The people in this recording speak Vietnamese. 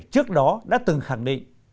trước đó đã từng khẳng định